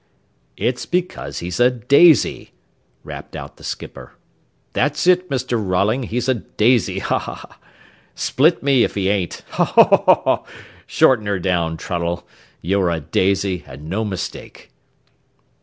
"It's because he's a daisy," rapped out the skipper. "That's it, Mr. Rolling, he's a daisy, ha, ha, ha! Split me, if he ain't, ho, ho, ho! Shorten her down, Trunnell; you're a daisy, and no mistake."